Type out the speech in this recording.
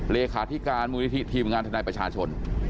เลขาธิการมูลนิธิทีมงานทนายประชาชน